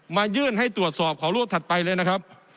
ยื่นให้ตรวจสอบขอรวบถัดไปเลยนะครับ